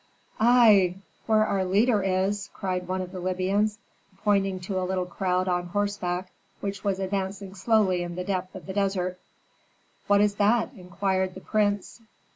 "Ei! where our leader is?" cried one of the Libyans, pointing to a little crowd on horseback which was advancing slowly in the depth of the desert. "What is that?" inquired the prince.